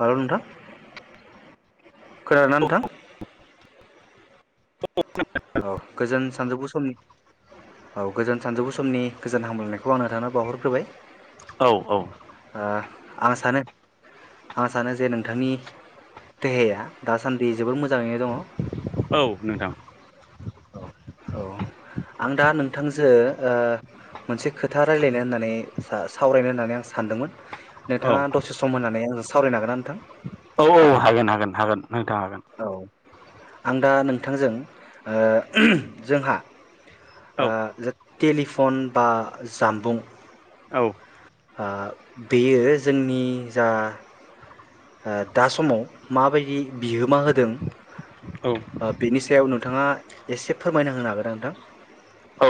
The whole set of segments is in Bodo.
हेलौ नोंथां खोनादों ना नोंथां औ खोनादों औ गोजोन सानजौफु समनि औ गोजोन सानजौफु समनि गोजोन हामलायनायखौ आं नोथांनो बावहरग्रोबाय। औ औ ओ आं सानो आं सानो जे नोंथांनि देहाया दासान्दि जोबोद मोजाङैनो दङ। औ नोंथां। औ औ आं दा नोंथांजो ओ मोनसे खोथा राय्लायनो होननानै सा-सावरायनो होननानै आं सानदोंमोन औ नोंथाङा दसे सम होननानै आंजों सावरायनो हागोना नोंथां औ औ हागोन हागोन हागोन नोंथां हागोन औ आं दा नोंथांजों ओ जोंहा औ ओ टेलिफन बा जामबुं औ ओ बेयो जोंनि जा ओ दा समाव माबायदि बिहोमा होदों औ ओ बिनि सायाव नोंथाङा एसे फोरमायना होनो हागोन नोंथां?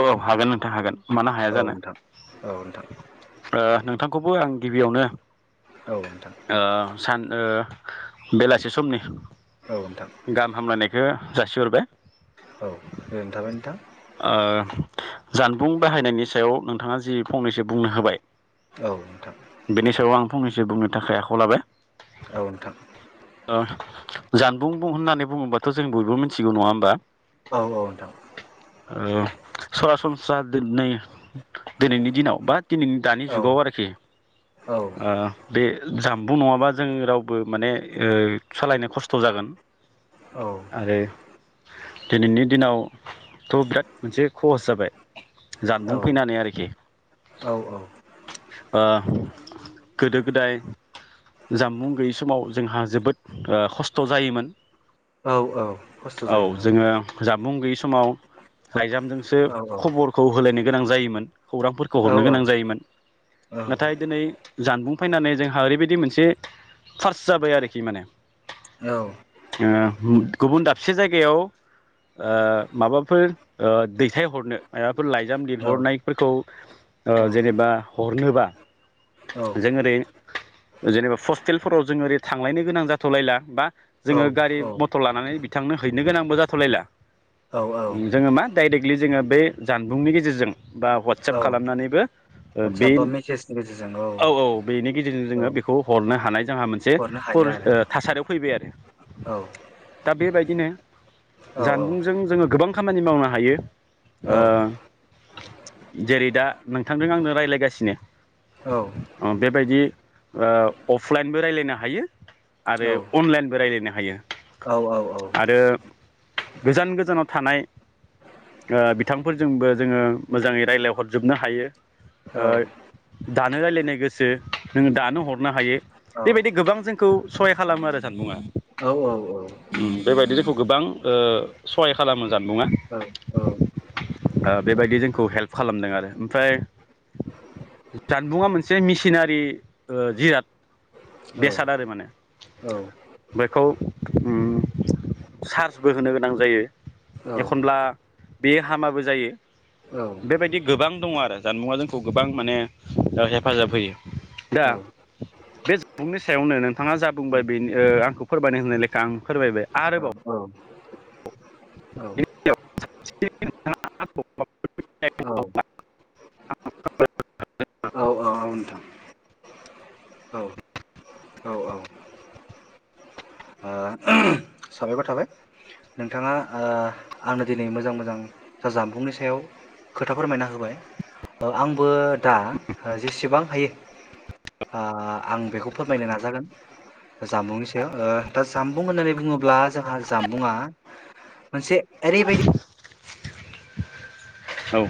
औ हागोन नोंथां हागोन। मानो हाया जानो। औ नोंथां थांखौबो आं गिबियावनो औ नोंथां ओ सान ओ बेलासि समनि औ नोंथां औ गाहाम हामलायनायखो जासि हरबाय। औ गोजोननाय थाबाय नोंथां। ओ जानबुं बाहायनायनि सायाव नोंथाङा जि फंनैसो बुंनो होबाय औ नोंथां। बेनि सायाव आं फंनैसो बुंनो थाखाय आखायाव लाबाय। औ नोंथां। ओ जानबुं बुं होननानै बुङोबाथ' जों बयबो मिथिगौ नङा होमबा? औ औ नोंथां। ओ सरासनस्रा दोनै दोनैनि दिनाव बा दिनैनि दानि औ जुगाव आरोखि औ ओ बे जाम बुं नङाबा जों रावबो माने ओ सालायनो खस्थ' जागोन। आरो दिनैनि दिनाव जानबुं फैनानै आरोखि। औ ओ गोदो गोदाय जामबुं गैयि समाव जोंहा जोबोद ओ खस्थ' जायोमोन। औ औ खस्थ' जायो औ। बुं गैयै समाव लाइजामजोंसो औ औ खबरखौ होलायनाय गोनां जायोमोन। खौरांफोरखौ औ हरनो गोनां जायोमोन औ नाथाय दोनै जानबुं फैनानै जोंहा ओरैबायदि मोनसे फार्स जाबाय आरोखि माने औ आ गुबुन दाबसे जायगायाव ओ माबा फोर ओ दैथायहरनो ओब फोर लाइजाम लिहरनायफोरखौ जेनेबा हरनोबा जों ओरै जेनेबा फस्टेलफोराव जों ओरै थांलायनो गोनां जाथ'लायला बा जोङो गारि मटर लानानै बिथांनो हैनो गोनां बो जाथ'लायला। औ औ जोङो मा डाइरेक्टलि जोङो बे जानबुंनि गेजेरजों। बा हवाटसाप औ खालामनानैबो वाटसाप बे बा मेसेजनि गेजेरजों औ औ बेनि गेजेरजों औ जोङो बेखौ हरनो हानाय जोंहा मोनसे हरनो हायो आरो फरिस थासारियाव फैबाय आरो दा बेबायदिनो औ जानबुंजों जोङो गोबां खामानि मावनो हायो। औ ओ जेरै दा नोंथांजों आंनो रायलायगासिनो। औ अ बेबायदि ओ अफलाइनबो रायलायनो हायो। आरो औ अनलाइनबो रायलायनो हायो औ औ आरो गोजान गोजानाव थानाय ओ बिथांफोरजोंबो जोङो मोजाङै रायलायहरजोबनो हायो। औ। दानो रायलायनाय गोसो नोङो दानो हरनो हायो। बेबायदि गोबां जोंखौ सहाय खालामो आरो जानबुङा। औ औ औ। गोबां ओ सहाय खालामो। जानबुङा ओ बेबायदि जों खौ हेल्प खालामदों आरो ओमफ्राय जानबुङा मोनसे मिसिनारि ओ जिराद। बेसाद आरो माने बेखौ उम चार्जबो होनो गोनां जायो। एखनब्ला बे हामाबो जायो। बेबायदि गोबां दङ आ जानबुङा जोंखौ गोबां माने हेफाजाब होयो। दा औ। बे जानबुंनि सायावनो नोंथाङा जा बुंबाय बे ओ आंखौ फोरमायनो होनाय लेखा आं फोरमायबाय। आरोबाव औ। औ [unintelligible] [unintelligible] औ ओ साबायखर थाबाय नोंथाङा ओ आंनो दिनै मोजां मोजां जामबुंनि सायाव खोथा फोरमायना होबाय ओ आंबो दा जेसेबां हायो आ आं बेखौ फोरमायनो नाजागोन जामबुंनि सायाव दा जामबुं होननानै बुङो ब्ला जोंहा जामबुंङा मोनसे ओरैबायदि औ।